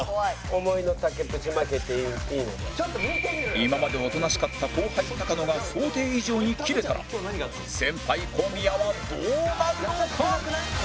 今までおとなしかった後輩高野が想定以上にキレたら先輩小宮はどうなるのか？